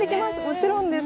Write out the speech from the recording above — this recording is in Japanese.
もちろんです。